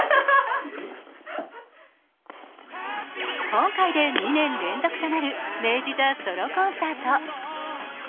今回で２年連続となる明治座ソロコンサート。